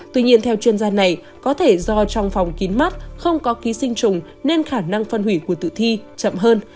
tuy nhiên theo chuyên gia này có thể do trong phòng kín mắt không có ký sinh trùng nên khả năng phân hủy của tử thi chậm hơn